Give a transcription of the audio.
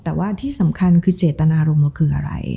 แต่ว่าที่สำคัญคือเจตนารมณ์เราคืออะไร